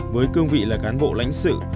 với cương vị là cán bộ lãnh sự